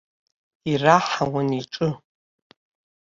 Ираҳауан иҿы.